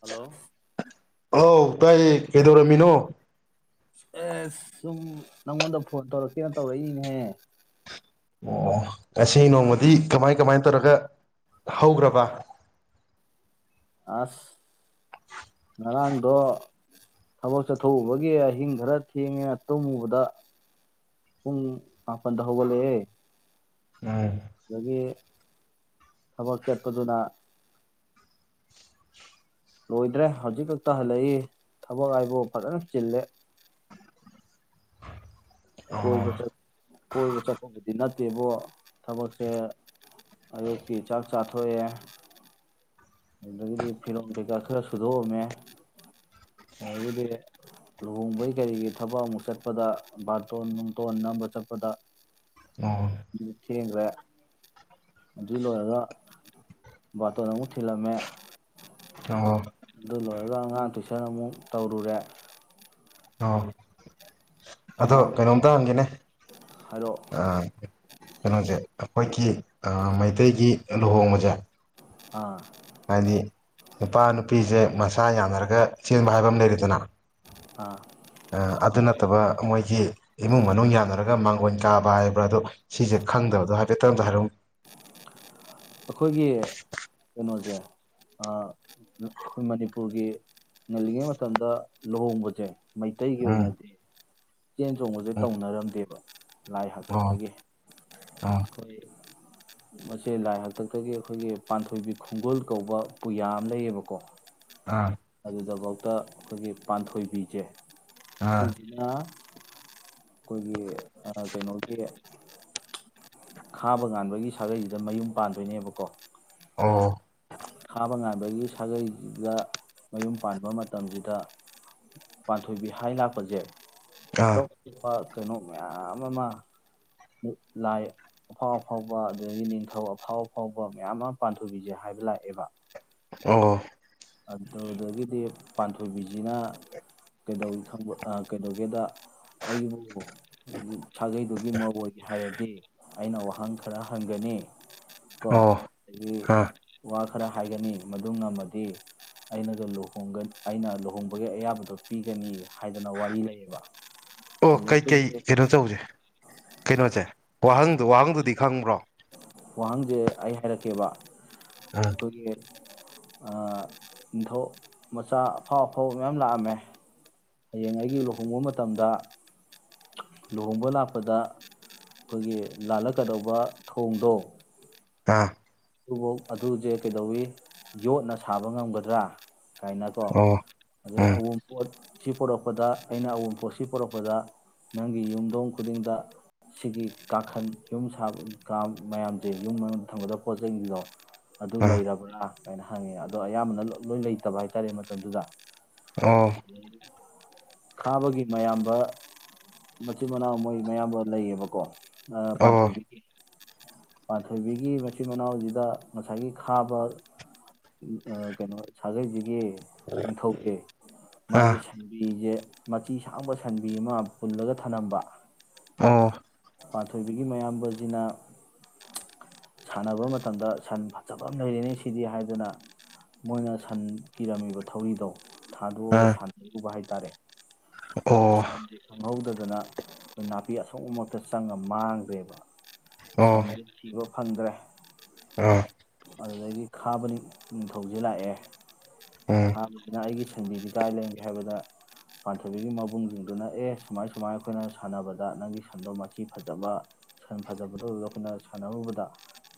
Hello ꯑꯧ ꯇꯥꯏꯌꯦ ꯀꯩꯗꯧꯔꯝꯃꯤꯅꯣ ꯑꯦ ꯁꯨꯝ ꯅꯪꯉꯣꯟꯗ ꯐꯣꯟ ꯇꯧꯔꯛꯀꯦꯅ ꯇꯧꯔꯛꯏꯅꯤꯅꯦꯍꯦ ꯑꯣ ꯉꯁꯤ ꯅꯣꯡꯃꯗꯤ ꯀꯃꯥꯏ ꯀꯃꯥꯏ ꯇꯧꯔꯒ ꯍꯧꯒ꯭ꯔꯕ ꯑꯁ ꯉꯔꯥꯡꯗꯣ ꯊꯕꯛ ꯆꯠꯊꯣꯛꯎꯕꯒꯤ ꯑꯍꯤꯡ ꯈꯔ ꯊꯦꯡꯉꯦꯅ ꯇꯨꯝꯃꯨꯕꯗ ꯄꯨꯡ ꯃꯥꯄꯜꯗ ꯍꯧꯒꯠꯂꯛꯑꯦ ꯎꯝ ꯑꯗꯒꯤ ꯊꯕꯛ ꯆꯠꯄꯗꯨꯅ ꯂꯣꯏꯗ꯭ꯔꯦ ꯍꯧꯖꯤꯛ ꯈꯛꯇ ꯍꯜꯂꯛꯏ ꯊꯕꯛ ꯍꯥꯏꯕꯨ ꯐꯖꯅ ꯆꯤꯜꯂꯦ ꯀꯣꯏꯕ ꯆꯠ ꯀꯣꯏꯕ ꯆꯠꯄꯥꯕꯨꯗꯤ ꯅꯠ ꯅꯠꯇꯦꯕꯨ ꯊꯕꯛꯁꯦ ꯑꯌꯨꯛꯀꯤ ꯆꯥꯛ ꯆꯥꯊꯣꯛꯑꯦ ꯑꯗꯨꯗꯒꯤꯗꯤ ꯐꯤꯔꯣꯝ ꯀꯩꯀꯥ ꯈꯔ ꯁꯨꯗꯣꯛꯑꯝꯃꯦ ꯑꯗꯥꯒꯤꯗꯤ ꯂꯨꯍꯣꯡꯕꯒꯤ ꯀꯔꯤꯒꯤ ꯊꯕꯛ ꯑꯃꯨꯛ ꯆꯠꯄꯗ ꯕꯥꯠ ꯇꯣꯟ ꯅꯨꯡꯇꯣꯟ ꯅꯝꯕ ꯆꯠꯄꯗ ꯑꯣ ꯊꯦꯡꯒ꯭ꯌꯦ ꯑꯥꯗꯨ ꯂꫭꯏꯔꯒꯥ ꯕꯥꯇꫭꯟ ꯑꯃꯨꯛ ꯊꯤꯜꯂꯝꯃꯦ ꯑꯣ ꯑꯗꯨ ꯂꯣꯏꯔꯒ ꯑꯉꯥꯡ ꯇꯨꯏꯁꯟ ꯑꯃꯨꯛ ꯇꯧꯔꯨꯔꯦ ꯑꫭ [inaudible] ꯑꯗꯣ ꯑꯉꯥꯡ ꯀꯩꯅꯣꯝꯇ ꯍꯪꯒꯦꯅꯦ ꯍꯥꯏꯔꯛꯑꯣ ꯑ ꯀꯩꯅꯣꯖꯦ ꯑꯈꯣꯏꯒꯤ ꯑ ꯃꯩꯇꯩꯒꯤ ꯂꯨꯍꯣꯡꯕꯖꯦ ꯑꯥ ꯍꯥꯏꯗꯤ ꯅꯨꯄꯥ ꯅꯨꯄꯤꯁꯦ ꯃꯁꯥ ꯌꯥꯅꯔꯒ ꯆꯦꯟꯕ ꯍꯥꯏꯕ ꯑꯃ ꯂꯩꯔꯦꯗꯅ ꯑꯥ ꯑ ꯑꯗꯨ ꯅꯠꯇꯕ ꯃꯣꯏꯒꯤ ꯏꯃꯨꯡ ꯃꯅꯨꯡ ꯌꯥꯅꯔꯒ ꯃꯥꯡꯒꯣꯟ ꯀꯥꯕ ꯍꯥꯏꯕ꯭ꯔꯥ ꯑꯗꯣ ꯁꯤꯁꯦ ꯈꯪꯗꯕꯗꯣ ꯍꯥꯏꯐꯦꯠꯇ ꯑꯝꯇ ꯍꯥꯏꯔꯛꯎ ꯑꯩꯈꯣꯏꯒꯤ ꯀꯩꯅꯣꯖꯦ ꯑ ꯑꯈꯣꯏ ꯃꯅꯤꯄꯨꯔꯒꯤ ꯉꯜꯂꯤꯉꯩ ꯃꯇꯝꯗ ꯂꯨꯍꯣꯡꯕꯁꯦ ꯃꯩꯇꯩꯒꯤ ꯎꯝ ꯑꯣꯏꯅꯗꯤ ꯆꯦꯟ ꯆꯣꯡꯕꯁꯦ ꯎꯝ ꯇꯧꯅꯔꯝꯗꯦꯕ ꯂꯥꯏ ꯑꯣ ꯍꯥꯛꯇꯣꯛꯇꯒꯤ ꯑꯣ ꯑꯩꯈꯣꯏ ꯃꯁꯤꯁ ꯂꯥꯏ ꯍꯛ ꯍꯥꯛꯇꯛꯇꯒꯤ ꯑꯩꯈꯣꯏꯒꯤ ꯄꯥꯟꯊꯣꯏꯕꯤ ꯈꯨꯡꯒꯨꯜ ꯀꯧꯕ ꯄꯨꯌꯥ ꯑꯃ ꯂꯩꯌꯦꯕꯀꯣ ꯑꯥ ꯑꯗꯨꯗꯐꯥꯎ ꯇ ꯑꯩꯈꯣꯏꯒꯤ ꯄꯥꯟꯊꯣꯏꯕꯤꯁꯦ ꯑꯥ ꯁꯤꯒꯤꯅ ꯑꯩꯈꯣꯏꯒꯤ ꯀꯩꯅꯣꯒꯤ ꯈꯥꯕ ꯉꯥꯟꯕꯒꯤ ꯁꯥꯒꯩꯗꯨꯗ ꯃꯌꯨꯝ ꯄꯥꯟꯗꯣꯏꯅꯦꯕꯀꯣ ꯑꯣ ꯊꯥꯕ ꯉꯥꯟꯕꯒꯤ ꯁꯥꯒꯩꯁꯤꯗ ꯃꯌꯨꯝ ꯄꯥꯟꯕ ꯃꯇꯝꯁꯤꯗ ꯄꯥꯟꯊꯣꯏꯕꯤ ꯍꯥꯏ ꯂꯥꯛꯄꯁꯦ ꯑꯥ ꯑꯗꯣ ꯀꯩꯅꯣ ꯃꯌꯥꯝ ꯑꯃ ꯂꯥꯏ ꯑꯐꯥꯎ ꯑꯐꯥꯎꯕ ꯑꯗꯨꯗꯒꯤ ꯅꯤꯡꯊꯧ ꯑꯐꯥꯎ ꯑꯐꯥꯎꯕ ꯃꯌꯥꯝ ꯑꯃ ꯄꯥꯟꯊꯣꯏꯕꯤꯁꯦ ꯍꯥꯏꯕ ꯂꯥꯛ [inaudible] ꯑꯣ ꯑꯗꯨꯗꯒꯤꯗꯤ ꯄꯥꯟꯊꯣꯏꯕꯤꯁꯤꯅ ꯀꯩꯗꯧ ꯀꯩꯗꯧꯒꯦꯗ ꯑꯩꯕꯨ ꯁꯥꯒꯩꯗꯨꯒꯤ ꯃꯔꯨ ꯑꯣꯏꯒꯦ ꯍꯥꯏꯔꯗꯤ ꯗꯤ ꯑꯩꯅ ꯋꯥꯍꯪ ꯈꯔ ꯍꯪꯒꯅꯤ ꯀꯣ ꯑꯣ ꯑꯩ ꯑꯥ ꯋꯥ ꯈꯔ ꯍꯥꯏꯒꯅꯤ ꯃꯗꯨ ꯉꯝꯃꯗꯤ ꯑꯩꯅꯒ ꯂꯨ ꯑꯩꯅ ꯂꯨꯍꯣꯡꯕꯒꯤ ꯑꯌꯥꯕꯗꯣ ꯄꯤꯒꯅꯤ ꯍꯥꯏꯗꯅ ꯋꯥꯔꯤ ꯂꯩꯌꯦꯕ ꯑꯣ ꯑꯗꯨꯗ ꯀꯩꯀꯩ ꯑꯩꯈꯣꯏꯒꯤ ꯀꯩꯅꯣ ꯇꯧꯁꯦ ꯀꯩꯅꯣꯁꯦ ꯋꯥꯍꯪꯗꯨ ꯋꯥꯍꯪꯗꯨꯗꯤ ꯈꯪꯕ꯭ꯔꯣ ꯋꯥꯍꯪꯁꯦ ꯑꯩ ꯍꯥꯏꯔꯛꯀꯦꯕ ꯑꯥ ꯀꯔꯤ ꯅꯤꯡꯊꯧ ꯃꯆꯥ ꯑꯐꯥꯎ ꯑꯐꯥꯎ ꯃꯌꯥꯝ ꯂꯥꯛꯑꯝꯃꯦ ꯍꯌꯦꯡ ꯑꯩꯒꯤ ꯂꯨꯍꯣꯡꯕ ꯃꯇꯝꯗ ꯂꯨꯍꯣꯡꯕ ꯂꯥꯛꯄꯗ ꯑꯩꯈꯣꯏꯒꯤ ꯂꯥꯜꯂꯛꯀꯗꯧꯕ ꯊꯣꯡꯗꯣ ꯑ ꯑꯗꯨꯐꯧ ꯑꯗꯨꯁꯦ ꯀꯩꯗꯧꯋꯤ ꯌꯣꯠꯅ ꯁꯥꯕ ꯉꯝꯒꯗ꯭ꯔꯥ ꯀꯥꯏꯅꯀꯣ ꯑꯣ ꯑꯗꯩ ꯎꯝ ꯑꯋꯄꯣꯠ ꯁꯤ ꯄꯣꯔꯛꯄꯗ ꯑꯩꯅ ꯑꯎꯡ ꯄꯣꯠꯁꯤ ꯄꯣꯔꯛꯄꯗ ꯅꯪꯒꯤ ꯌꯨꯝꯊꯣꯡ ꯈꯨꯗꯤꯡꯗ ꯁꯤꯒꯤ ꯀ ꯀꯥꯡꯈꯟ ꯌꯨꯝ ꯁꯥꯕ ꯀ ꯃꯌꯥꯝꯁꯦ ꯌꯨꯝ ꯃꯅꯨꯡꯗ ꯊꯝꯕꯗ ꯍꯧꯖꯂꯣ ꯑꯗꯨ ꯑꯥ ꯂꯩꯔꯕ꯭ꯔꯥ ꯑꯗꯨꯃꯥꯏꯅ ꯍꯪꯉꯦ ꯑꯗꯣ ꯑꯌꯥꯝꯕꯅ ꯂꯣꯏ ꯂꯩꯇꯕ ꯍꯥꯏꯇꯥꯔꯦ ꯃꯇꯝꯗꯨꯗ ꯑꯣ [inaudible] ꯈꯥꯕꯒꯤ ꯃꯌꯥꯝꯕ ꯃꯆꯤꯟ ꯃꯅꯥꯎ ꯃꯣꯏ ꯃꯌꯥꯝꯕ ꯂꯩꯌꯦꯕꯀꯣ ꯑꯣ ꯄꯥꯟꯊꯣꯏꯕꯤꯦ ꯄꯊꯣꯏꯕꯤꯒꯤ ꯃꯆꯤꯟ ꯃꯅꯥꯎꯁꯤꯗ ꯉꯁꯥꯏꯒꯤ ꯈꯥꯕ ꯀꯩꯅꯣ ꯁꯥꯒꯩꯁꯤꯒꯤ ꯅꯤꯡꯊꯧꯁꯦ ꯑꯥ ꯃꯥꯒꯤ ꯁꯟꯕꯤꯁꯦ ꯃꯆꯤ ꯁꯥꯡꯕ ꯁꯟꯕꯤ ꯑꯃ ꯄꯨꯜꯂꯒ ꯊꯅꯝꯕ ꯑꯣꯥ ꯄꯥꯟꯊꯣꯏꯕꯤꯒꯤ ꯃꯌꯥꯝꯕꯁꯤꯅ ꯁꯥꯟꯅꯕ ꯃꯇꯝꯗ ꯁꯟ ꯐꯖꯕ ꯑꯃ ꯂꯩꯔ‌ꯦꯅ‌ꯦ ꯁꯤꯗꯤ ꯍꯥꯏꯗꯨꯅ ꯃꯣꯏꯅ ꯁꯟ ꯀꯤꯔꯝꯃꯤꯕ ꯊꯧꯔꯤꯗꯣ ꯊꯥꯗꯣꯛꯑꯒ ꯑꯥ ꯁꯥꯟꯅꯔꯨꯕ ꯍꯥꯏꯇꯥ ꯇꯥꯔꯦ ꯑꯣ ꯈꯪꯍꯩꯗ ꯑꯗꯨꯅ ꯑꯩꯈ‌ꯣꯏ ꯅꯥꯄꯤ ꯑꯁꯣꯡꯕ ꯃꯔꯛꯇ ꯆꯪꯉꯒ ꯃꯥꯡꯈꯔꯦꯕ ꯁꯟꯗꯔꯤꯞ ꯁꯤꯕ ꯐꯪꯗ꯭ꯔꯦ ꯑ ꯑꯗꯨꯗꯒꯤ ꯈꯥꯕ ꯅꯤꯡꯊꯧꯁꯦ ꯂꯥꯛꯑꯦ ꯎꯝ ꯈꯥꯕꯁꯤꯅ ꯑꯩꯒꯤ ꯁꯟꯗꯤ ꯀꯥꯏ ꯂꯩꯒ‌ꯦ ꯍꯥꯏꯕꯗ ꯄꯥꯟꯊꯣꯏꯕꯤꯒꯤ ꯃꯕꯨꯡꯁꯤꯡꯗꯨꯅ ꯑꯦ ꯁꯨꯃꯥꯏ ꯁꯨꯃꯥꯏꯅ ꯑꯩꯈꯣꯏꯅ ꯁꯥꯟꯅꯕꯗ ꯅꯪꯒꯤ ꯁꯟꯗꯣ ꯃꯆꯤ ꯐꯖꯕ ꯁꯟ ꯐꯖꯕꯗꯣ ꯑꯗꯨꯗ ꯑꯩꯈꯣꯏꯅ ꯁꯥꯟꯅꯔꯨꯕꯗ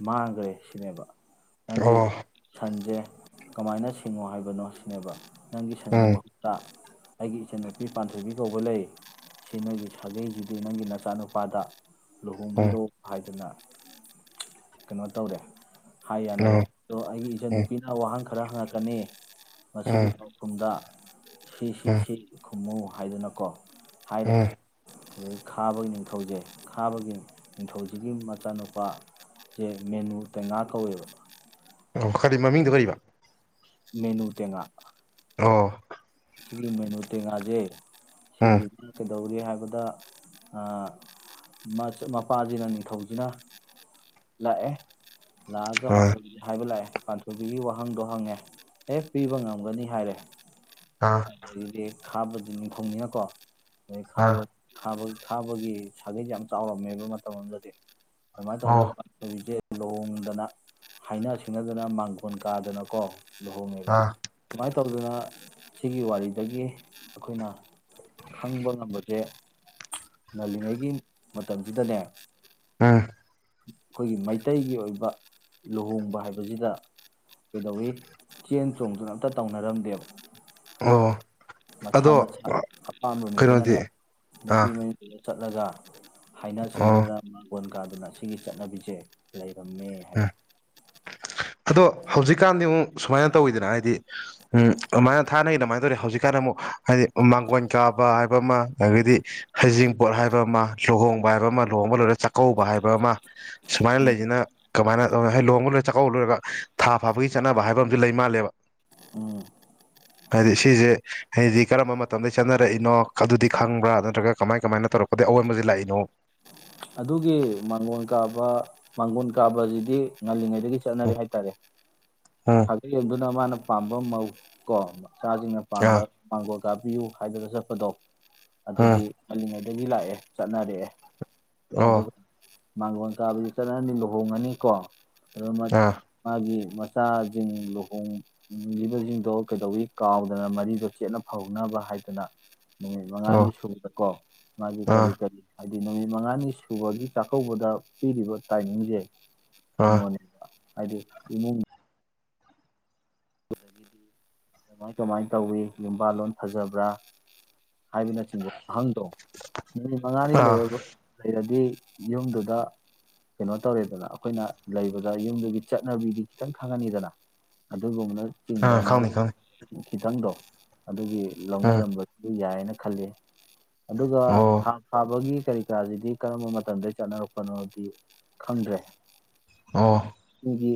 ꯃꯥꯡꯈ꯭ꯔꯦ ꯁꯤꯅꯦꯕ ꯅꯪꯒꯤ ꯑꯣ ꯁꯟꯁꯦ ꯀꯃꯥꯏꯅ ꯁꯤꯡꯉꯣ ꯍꯥꯏꯕꯅꯣ ꯁꯤꯅꯦꯕ ꯅꯪꯒꯤ ꯎꯝ ꯁꯟꯒꯤ ꯎꯝ ꯃꯍꯨꯠꯇ ꯑꯩꯒꯤ ꯏꯆꯟꯅꯨꯄꯤ ꯄꯥꯟꯊꯣꯏꯕꯤ ꯀꯧꯕ ꯂꯩ ꯁꯤ ꯅꯣꯏꯒꯤ ꯁꯥꯒꯩꯒꯤꯗꯤ ꯅꯪꯒꯤ ꯅꯆꯥꯅꯨꯄꯥꯗ ꯎꯝ ꯂꯨꯍꯣꯡꯕꯤꯔꯣ ꯍꯥꯏꯗꯅ ꯀꯩꯅꯣ ꯇꯧꯔꯦ ꯍꯥꯏ ꯌꯥꯅꯔꯦ ꯑꯗ‌ꯣ ꯑꯩꯒꯤ ꯎꯝ ꯏꯆꯟꯅꯨꯄꯤꯅ ꯋꯥꯍꯪ ꯈꯔ ꯈꯔ ꯍꯪꯉꯛꯀꯅꯤ ꯃꯁꯤꯒꯤ ꯎꯝ ꯄꯥꯎꯈꯨꯝꯗ ꯁꯤ ꯁꯤ ꯎꯝ ꯁꯤ ꯈꯨꯝꯃꯨ ꯍꯥꯏꯗꯨꯅꯀꯣ ꯍꯥꯏꯔꯦ ꯎꯝ ꯑꯗꯒꯤ ꯈꯥꯕꯒꯤ ꯅꯤꯡꯊꯧꯁꯦ ꯈꯥꯕꯒꯤ ꯅꯤꯡꯊꯧꯁꯤꯒꯤ ꯃꯆꯥꯅꯨꯄꯥ ꯁꯦ ꯃꯦꯅꯨꯇ‌ꯦꯉꯥ ꯀꯧꯋꯦꯕ ꯑꯣ ꯈꯔꯗꯤ ꯃꯃꯤꯡꯗꯨꯣ ꯀꯔꯤꯕ ꯃ‌ꯦꯅꯨꯇ‌ꯦꯉꯥ ꯑꯣ ꯁꯤꯒꯤ ꯃ‌ꯦꯅꯨꯇꯦꯉꯥ ꯖꯦ ꯎꯝ ꯁꯤꯖꯤꯅ ꯀꯩꯗꯧꯋꯤ ꯇꯧꯒꯦ ꯍꯥꯏꯕꯗ ꯃꯄꯥꯁꯤꯅ ꯅꯤꯡꯊꯧꯁꯤꯅ ꯂꯥꯛꯑꯦ ꯂꯥꯛꯑꯒ ꯑꯥ ꯄꯥꯟꯊꯁꯦ ꯍꯥꯏꯕ ꯂꯥꯛꯑꯦ ꯄꯥꯟꯊꯨꯕꯤꯒꯤ ꯋꯥꯍꯪꯗꯣ ꯍꯪꯉꯦ ꯑꯦ ꯄꯤꯕ ꯉꯝꯒꯅꯤ ꯍꯥꯏꯔꯦ ꯑꯥ ꯑꯗꯨꯗꯤ ꯈꯥꯕꯗꯨ ꯅꯤꯡꯈꯨꯝꯅꯤꯉꯀꯣ ꯈ ꯑꯥ ꯈꯕꯩ ꯊꯥꯕꯒꯤ ꯁꯥꯒꯩꯁ ꯌꯥꯝ ꯆꯥꯎꯔꯝꯃꯦꯕ ꯃꯇꯝ ꯑꯃꯗꯗꯤ ꯃꯥ ꯑꯗꯨꯅ ꯑꯣ ꯄꯦ ꯂꯣꯡꯗꯅ ꯍꯥꯏꯅ ꯁꯤꯡꯅꯗꯅ ꯃꯥꯡꯒꯣꯣꯟ ꯀꯥꯗꯅꯀꯣ ꯧ ꯃꯕ ꯑꯥ ꯇꯨꯃ ꯎ ꯇꯔꯗꯨꯅ ꯁꯤꯒꯤ ꯋꯥꯔꯤꯗꯒꯤ ꯑꯩꯈꯣꯏꯅ ꯈꯪꯕ ꯉꯝꯕꯁꯦ ꯉꯜꯂꯤꯉꯩꯒꯤ ꯃꯇꯝꯁꯤꯗꯅꯦ ꯑꯝ ꯑꯩꯈꯣꯏꯒꯤ ꯃꯩꯇꯩꯒꯤ ꯑꯣꯏꯕ ꯂꯨꯍꯣꯡꯕ ꯍꯥꯏꯕꯁꯤꯗ ꯀꯩꯗꯧꯋꯤ ꯆꯦꯟ ꯆꯣꯡꯗꯨꯅ ꯑꯝꯇ ꯇꯧꯅꯔꯝꯗꯦꯕ ꯑꯣꯥ ꯃꯁꯥ ꯃꯁꯥ ꯑꯄꯥꯝꯕ ꯃꯤꯗꯨꯅꯅꯦ ꯀꯩꯅꯣꯗꯤ ꯑꯥ ꯅꯨꯄꯤ ꯃꯩꯗꯨ ꯆꯠꯂꯒ ꯍꯥꯏꯅ ꯑꯣ ꯁꯨꯅꯗꯨꯅ ꯃꯣꯟ ꯀꯥꯗꯨꯅ ꯁꯤꯒꯤ ꯆꯠꯅꯕꯤꯁꯦ ꯂꯩ ꯀꯝꯃꯦ ꯎꯝ ꯍꯥꯏꯕ ꯑꯗꯣ ꯍꯧꯖꯤꯛꯀꯥꯟꯗꯤ ꯑꯃꯨꯛ ꯁꯨꯃꯥꯏꯅ ꯇꯧꯋꯤꯗꯅ ꯍꯥꯏꯗꯤ ꯎꯝ ꯑꯗꯨꯃꯥꯏꯅ ꯊꯥꯅꯒꯤ ꯑꯗꯨꯃꯥꯏꯅ ꯇꯧꯋꯤ ꯍꯧꯖꯤꯛꯀꯥꯟꯗ ꯑꯃꯨꯛ ꯍꯥꯏꯗꯤ ꯃꯥꯡꯒꯣꯏꯣꯟ ꯀꯥꯕ ꯍꯥꯏꯕ ꯑꯃ ꯑꯗꯒꯤꯩꯗꯤ ꯍꯩꯖꯤꯡꯄꯣꯠ ꯍꯥꯏꯕ ꯑꯃ ꯂꯨꯍꯣꯡꯕ ꯍꯥꯏꯕ ꯑꯃ ꯂꯨꯍꯣꯡꯕ ꯂꯣꯏꯔ ꯆꯥꯛꯀꯧꯕ ꯍꯥꯏꯕ ꯑꯃ ꯁꯨꯃꯥꯏꯅ ꯎꯝ ꯂꯩꯁꯤꯅ ꯅ ꯂꯍꯒ ꯂꯣꯏꯔ ꯆꯥꯛꯀꯧ ꯂꯣꯏꯔꯒ ꯊꯥ ꯐꯥꯕꯒꯤ ꯆꯠꯅꯕ ꯍꯥꯏꯕ ꯑꯃꯁꯝꯨ ꯂꯩ ꯃꯥꯜꯂꯦꯕ ꯎꯝ ꯍꯥꯏꯗꯤ ꯁꯤꯁꯦ ꯍꯥꯏꯗꯤ ꯀꯔꯝꯕ ꯃꯇꯝꯗ ꯆꯠꯅꯔꯛꯏꯅꯣ ꯑꯗꯨꯗꯤ ꯈꯪꯕ꯭ꯔꯥ ꯅꯠꯇ꯭ꯔꯒ ꯀꯃꯥꯏ ꯀꯃꯥꯏꯅ ꯇꯧꯔꯛꯄꯗꯒꯤ ꯑꯑꯣꯟꯕꯁꯦ ꯂꯥꯛꯏꯅꯣ ꯑꯗꯨꯒꯤ ꯃꯥꯡꯒꯣꯟ ꯀꯥꯕ ꯃꯥꯡꯒꯣꯟ ꯀꯥꯕꯁꯤꯗꯤ ꯉꯜꯂꯤꯉꯩ ꯆ ꯎꯝ ꯎꯝ ꯍꯥꯏꯔꯦ ꯁꯥꯒꯅ ꯄꯥꯝꯕ ꯃ ꯀꯣꯝꯕ ꯆꯥꯖꯉ ꯄꯥꯝꯕ ꯑꯥ ꯄꯥꯡꯣ ꯆꯥꯕꯤꯌꯨ ꯍꯥꯏꯗꯅ ꯆꯠꯄꯗꯣ ꯎꯝ ꯑꯗꯨꯗꯤ ꯑꯜꯂꯤꯉꯩ ꯗꯒꯤ ꯂꯥꯛꯑꯦ ꯆꯠꯅꯔꯛꯑꯦ ꯑꯗꯨ ꯑꯣ ꯃꯥꯡꯒꯣꯟ ꯀꯥꯕꯗꯨ ꯆꯠꯅꯔꯅꯤ ꯂꯨꯍꯣꯡꯉꯅꯤꯀꯣ ꯑ ꯃ ꯑꯥ ꯃꯥꯦ ꯃꯆꯥꯁꯤꯡ ꯂꯨꯍꯣꯡꯂꯤꯕꯁꯤꯡꯗꯣ ꯀꯩꯗꯧꯋꯤ ꯀꯥꯎꯗꯅ ꯃꯔꯤꯗꯣ ꯆꯦꯠꯅ ꯐꯥꯎꯅꯕ ꯍꯥꯏꯗꯅ ꯅꯨꯃꯤꯠ ꯑꯣ ꯃꯉꯥꯅꯤ ꯁꯨꯕꯀꯣ ꯃꯥꯒꯤ ꯑꯥ ꯑꯥ ꯀꯔꯤ ꯀꯔꯤ ꯑꯗꯨꯗꯤ ꯅꯨꯃꯤꯠ ꯃꯉꯥꯅꯤ ꯁꯨꯕꯔꯒꯤ ꯆꯥꯛꯀꯧꯕꯗ ꯄꯤꯔꯤꯕ ꯇꯥꯏꯃꯤꯡꯁꯦ ꯑꯥ ꯀꯩꯅꯣꯅꯤ ꯍꯥꯏꯗꯗꯤ ꯏꯃ ꯀꯃꯥꯏ ꯀꯃꯥꯏꯅ ꯇꯧꯋꯤ ꯌꯨꯝꯕꯥ ꯂꯣꯟ ꯐꯖꯕ꯭ꯔꯥ ꯍꯥꯏꯕꯅꯆꯤꯡꯕ ꯋꯥꯍꯪꯗꯣ ꯅꯨꯃꯤ ꯃꯉꯥꯅꯤ ꯑꯥ ꯂꯩꯔꯕ ꯂꯩꯔꯗꯤ ꯌꯨꯝꯗꯨꯗ ꯀꯩꯅꯣ ꯇꯧꯔꯦꯗꯅ ꯑꯩꯈꯣꯏꯅ ꯂꯩꯕꯗ ꯌꯨꯝꯗꯨꯒꯤ ꯆꯠꯅꯕꯤꯗꯤ ꯈꯤꯇꯪ ꯈꯪꯍꯟꯅꯤꯗꯅ ꯑꯗꯨꯒꯨꯝꯕꯅ ꯆꯕꯥ ꯑꯥ ꯃꯔ ꯈꯪꯅꯤ ꯈꯪꯅꯤ ꯈꯤꯇꯪꯗꯣ ꯑꯗꯨꯗꯒꯤ ꯎꯝ ꯂꯧꯅꯔꯝꯕꯕꯁꯤꯗ ꯌꯥꯏꯅ ꯈꯜꯂꯤ ꯑꯗꯨꯒ ꯑꯣ ꯊꯥꯛ ꯁꯥꯕꯒꯤ ꯀꯔꯤ ꯀꯔꯥꯁꯤꯗꯤ ꯀꯔꯝꯕ ꯃꯇꯝꯗꯒꯤꯩ ꯆꯠꯅꯔꯛꯄꯅꯣꯗꯤ ꯈꯪꯗ꯭ꯔꯦ ꯑ ꯑꯩꯒꯤ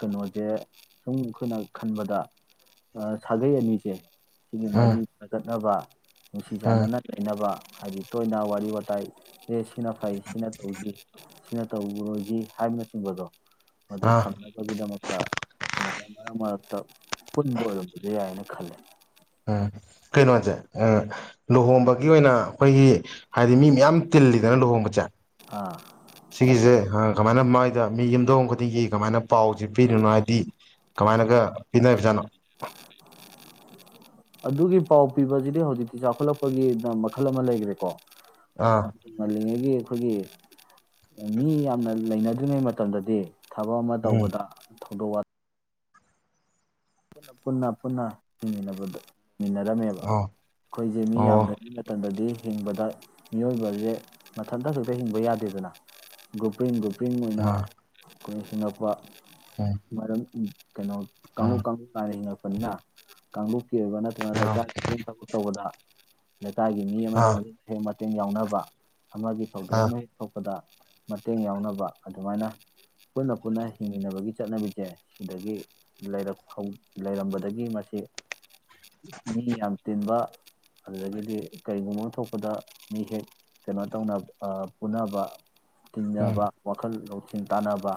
ꯀꯩꯅꯣꯁꯦ ꯁꯨꯝ ꯑꯩꯈꯣꯏꯅ ꯈꯟꯕꯗ ꯁꯥꯒꯩ ꯑꯅꯤꯁꯦ ꯁꯤꯒꯤ ꯃꯔꯤ ꯎꯝ ꯐꯒꯠꯅꯕ ꯅꯨꯡꯁꯤ ꯎꯝ ꯆꯥꯟꯅꯅ ꯆꯩꯅꯕ ꯍꯥꯏꯗꯤ ꯇꯣꯏꯅ ꯋꯥꯔꯤ ꯋꯥꯇꯥꯏ ꯁꯤꯅ ꯐꯩ ꯁꯤꯅ ꯇꯧꯁꯤ꯭ꯔꯤ ꯁꯤꯅ ꯇꯧꯔꯣꯏꯁꯤ ꯍꯥꯏꯕꯅꯆꯤꯡꯕꯗꯣ ꯃꯗꯨ ꯑꯥ ꯊꯝꯅꯕꯒꯤꯗꯃꯛꯇ ꯃꯠꯇꯣ ꯐꯨꯠꯕꯣꯜꯗꯤ ꯌꯥꯏꯅ ꯈꯜꯦ ꯎꯝ ꯀꯩꯅꯣꯁꯦ ꯂꯨꯍꯣꯡꯕꯒꯤ ꯑꯣꯏꯅ ꯑꯩꯈꯣꯏꯒꯤ ꯍꯥꯏꯗꯤ ꯃꯤ ꯃꯌꯥꯝ ꯇꯤꯜꯂꯤꯗꯅ ꯂꯨꯍꯣꯡꯕꯁꯦ ꯑꯥ ꯁꯤꯒꯤꯁꯦ ꯑ ꯀꯃꯥꯏꯅ ꯃꯥꯏꯗ ꯃꯤ ꯌꯨꯝꯊꯣꯡ ꯈꯨꯗꯤꯡꯒꯤ ꯀꯃꯥꯏꯅ ꯄꯥꯎꯁꯤ ꯄꯤꯔꯤꯅꯣ ꯍꯥꯏꯗꯤ ꯀꯃꯥꯏꯅꯒ ꯄꯤꯅꯔꯤꯕꯖꯥꯠꯅꯣ ꯑꯗꯨꯒꯤ ꯄꯥꯎ ꯄꯤꯕꯁꯤꯗꯤ ꯍꯧꯖꯤꯛꯇꯤ ꯆꯥꯎꯈꯠꯂꯛꯄꯒꯤ ꯃꯈꯜ ꯑꯃ ꯂꯩꯈ꯭ꯔꯦꯀꯣ ꯑꯥ ꯑꯜꯂꯤꯉꯒꯤ ꯑꯩꯈꯣꯏꯒꯤ ꯃꯤ ꯌꯥꯝꯅ ꯂꯩꯅꯗ꯭ꯔꯤꯉꯩ ꯃꯇꯝꯗꯗꯤ ꯊꯕꯛ ꯑꯃ ꯎꯝ ꯇꯧꯕꯗ ꯊꯧꯗꯣꯋꯥꯠ ꯄꯨ ꯄꯨꯟꯅ ꯄꯨꯟꯅ ꯆꯤꯡꯃꯤꯟꯅꯕꯗꯨ ꯃꯤꯟꯅꯔꯝꯃꯦꯕ ꯑꯣ ꯑꯩꯈꯣꯏꯁꯦ ꯃꯤ ꯑꯣ ꯌꯥꯝꯗ꯭ꯉꯩ ꯃꯇꯝꯗꯗꯤ ꯍꯤꯡꯕꯗ ꯃꯤꯑꯣꯏꯕꯁꯦ ꯃꯊꯟꯇ ꯈꯛꯇ ꯍꯤꯡꯕ ꯌꯥꯗꯦꯗꯅ ꯒ꯭ꯔꯨꯞꯔꯤꯟ ꯒ꯭ꯔꯨꯞ ꯄꯔꯤꯡ ꯑꯣꯏꯅ ꯑꯥ ꯈꯣꯏ ꯏꯄꯥꯎꯄ ꯎꯝ ꯃꯔꯝ ꯏ ꯀꯩꯅꯣ ꯀꯥꯡꯂꯨꯞ ꯎꯝ ꯀꯥꯡꯂꯨꯞ ꯑ ꯃꯥꯄꯟꯅ ꯀꯥꯡꯂꯨꯞ ꯑꯣꯏꯕ ꯅꯠꯇ꯭ꯔꯒꯅ ꯑꯥ ꯂꯩꯀꯥꯏ [inaudible] ꯊꯕꯥꯛ ꯇꯧꯕꯗ꯫ ꯂꯩꯀꯥꯏꯒꯤ ꯃꯤ ꯑꯃ [inaudible] ꯑꯥ ꯁꯦꯡꯕ ꯃꯇꯦꯡ ꯌꯥꯎꯅꯕ ꯑꯃꯒꯤ ꯊꯧꯗꯣꯛ ꯑꯥ ꯑꯃ ꯍꯦꯛ ꯊꯣꯛꯄꯗ ꯃꯇꯦꯡ ꯌꯥꯎꯅꯕ ꯑꯗꯨꯃꯥꯏꯅ ꯄꯨꯟꯅ ꯄꯨꯟꯅ ꯍꯤꯡꯃꯤꯟꯅꯕꯒꯤ ꯆꯠꯅꯕꯤꯁꯦ ꯁꯤꯗꯒꯤ ꯂꯩꯔꯛ ꯂꯩꯔꯝꯕꯗꯒꯤ ꯃꯁꯤ ꯃꯤ ꯌꯥꯝ ꯇꯤꯟꯕ ꯑꯗꯨꯗꯒꯤꯗꯤ ꯀꯔꯤꯒꯨꯝꯕ ꯑꯃ ꯊꯣꯛꯄꯗ ꯃꯤ ꯍꯦꯛ ꯀꯩꯅꯣ ꯇꯧ ꯄꯨꯅꯕ ꯎꯝ ꯇꯤꯅꯕ ꯋꯥꯈꯜ ꯂꯧꯊ ꯆꯤꯟ ꯇꯥꯟꯅꯕ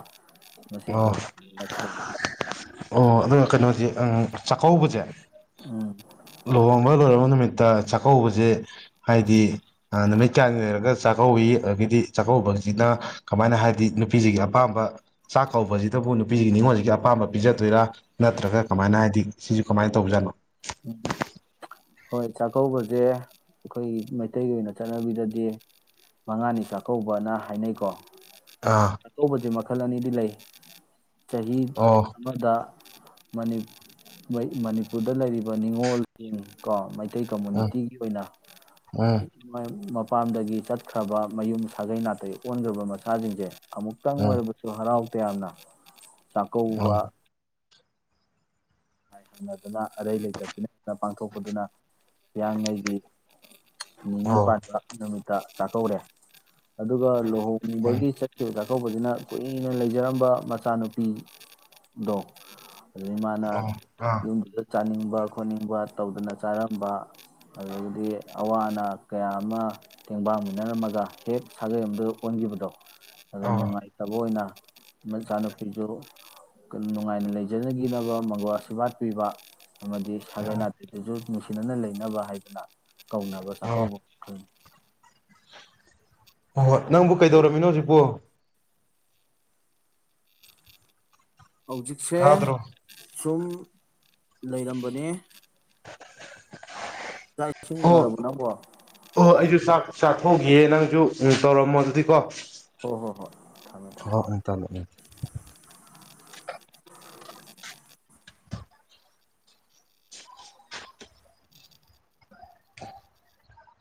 ꯃꯁꯤ ꯑꯣ ꯍꯧꯔꯛꯄꯅꯤꯅ ꯈꯜꯂꯤ ꯑꯣ ꯑꯗꯨꯒ ꯀꯩꯅꯣꯁꯦ ꯆꯥꯛꯀꯧꯕꯁꯦ ꯎꯝ ꯂꯍꯣꯡꯕ ꯂꯔ ꯆꯥꯛꯀꯧꯕꯁꯦ ꯍꯥꯏꯗꯤ ꯅꯨꯃꯤꯠ ꯀꯌꯥꯅꯤ ꯂꯩꯔꯒ ꯆꯥꯛꯀꯧꯋꯤ ꯑꯗꯒꯤꯗꯤ ꯆꯥꯛꯀꯧꯕꯁꯤꯅ ꯀꯃꯥꯏꯅ ꯍꯥꯏꯗꯤ ꯅꯨꯄꯤꯁꯤꯒꯤ ꯑꯄꯥꯝꯕ ꯆꯥꯛ ꯀꯧꯕꯁꯤꯗꯕꯨ ꯅꯨꯄꯤꯁꯤꯒꯤ ꯅꯤꯉꯣꯜꯁꯤꯒꯤ ꯑꯄꯥꯝꯕ ꯄꯤꯖꯗꯣꯏꯔꯥ ꯅꯠꯇ꯭ꯔꯒ ꯀꯃꯥꯏꯅ ꯍꯥꯏꯗꯤ ꯁꯤꯁꯨ ꯀꯃꯥꯏꯅ ꯇꯧꯕꯖꯥꯠꯅꯣ ꯍꯣꯏ ꯆꯥꯛꯀꯧꯕꯁꯦ ꯑꯩꯈꯣꯏꯒꯤ ꯃꯩꯇꯩꯒꯤ ꯑꯣꯏꯅ ꯆꯠꯅꯕꯤꯗꯗꯤ ꯃꯉꯥꯅꯤ ꯆꯥꯛꯀꯧꯕꯅ ꯍꯥꯏꯅꯩꯀꯣ ꯑꯥ ꯑꯇꯧꯕꯗꯤ ꯃꯈꯜ ꯑꯅꯤꯗꯤ ꯂꯩ ꯆꯍꯤ ꯑꯣ ꯑꯃꯗ ꯃꯅꯤꯄꯨꯔꯗ ꯂꯩꯔꯤꯕ ꯅꯤꯡꯅꯤꯉꯣꯜꯁꯤꯡ ꯀꯣ ꯃꯇꯩ ꯎꯝ ꯀꯝꯃꯨꯅꯤꯇꯤꯒꯤ ꯑꯣꯏꯅ ꯎꯝ ꯐꯥꯝꯗꯒꯤ ꯆꯠꯈ꯭ꯔꯕ ꯃꯌꯨꯝ ꯁꯥꯒꯩ ꯅꯥꯇꯩꯒꯤ ꯑꯣꯟꯈ꯭ꯔꯕ ꯃꯆꯥꯁꯤꯡꯁꯦ ꯑꯃꯨꯛꯇꯪ ꯎꯝ ꯑꯣꯏꯔꯁꯨ ꯍꯔꯥꯎ ꯄꯌꯥꯅ ꯆꯥꯛ ꯀꯧꯕꯥ ꯎꯝ [unintelligible] ꯐꯖꯅ ꯑꯔꯩ ꯂꯩꯇꯁꯤ ꯅꯠꯇꯅ ꯄꯥꯡꯊꯣꯛꯄꯗꯨꯅ ꯍꯤꯌꯥꯥꯡꯉꯩꯒꯤ ꯅꯤꯅꯤ ꯄꯥꯟ ꯑꯣ ꯅꯨꯃꯤꯠ ꯇ ꯆꯥꯛꯀꯧꯔꯦ ꯑꯗꯨꯒ ꯎꯝ ꯂꯨꯍꯣꯡꯕꯒꯤ ꯆꯠꯈꯤꯕꯗ ꯑꯊꯧꯕꯁꯤꯅ ꯀꯨꯏꯅ ꯂꯩꯖꯔꯝꯕ ꯃꯆꯥꯅꯨꯄꯤꯗꯣ ꯑꯗꯩꯩ ꯃꯥꯟꯅ ꯑꯣ ꯑꯥ [unintelligible] ꯆꯥꯅꯤꯡꯕ ꯈꯣꯠꯅꯤꯡꯕ ꯇꯧꯗꯅ ꯆꯥꯔꯝꯕ ꯑꯗꯨꯗꯒꯤꯗꯤ ꯑꯋꯥ ꯑꯅꯥ ꯀꯌꯥ ꯑꯃ ꯇꯦꯡꯕꯥꯡꯃꯤꯟꯅꯔꯝꯃꯒ ꯍꯦꯛ ꯁꯥꯒꯩ ꯑꯃꯗ ꯑꯣꯟꯈꯤꯕꯗꯣ ꯑꯗꯨ ꯑꯣ ꯎꯝ ꯅꯨꯡꯉꯥꯏꯇꯕ ꯑꯣꯏꯅ ꯅꯆꯥꯅꯨꯄꯤꯁꯨ ꯅꯨꯡꯉꯥꯏꯅ ꯂꯩꯖꯅꯈꯤꯅꯕ ꯃꯒ ꯁꯕꯥꯠ ꯄꯤꯕ ꯑꯃꯗꯤ ꯁꯥꯒꯩ ꯅꯥꯇꯗꯨꯁꯨ ꯅꯨꯡꯁꯤꯅꯅ ꯂꯩꯅꯕ ꯍꯥꯏꯗꯅ ꯀꯧꯅꯕ ꯆꯥꯛꯀꯧꯕ ꯃꯈꯜ ꯍ ꯍꯣꯏ ꯅꯪꯕꯨ ꯀꯩꯗꯧꯔꯝꯃꯤꯅꯣ ꯍꯧꯖꯤꯛꯄꯨ ꯍꯧꯖꯤꯛꯁꯦ ꯇꯥꯗ꯭ꯔꯣ ꯁꯨꯝ ꯂꯩꯔꯝꯕꯅꯦ ꯑꯣ ꯍꯣꯠꯅꯔꯕꯣ ꯅꯥꯪꯕꯣ ꯆꯥꯛꯊꯣꯛꯈꯤꯌꯦ ꯅꯪꯁꯨ ꯎ ꯇꯧꯔꯝꯃꯣ ꯑꯗꯨꯗꯤꯀꯣ ꯍꯣꯏ ꯍꯣ ꯍꯣꯏ ꯊꯝꯃꯦ ꯊꯝꯃꯦ [unintelligible]